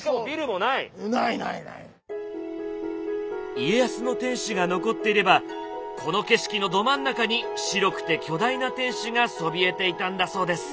家康の天守が残っていればこの景色のど真ん中に白くて巨大な天守がそびえていたんだそうです。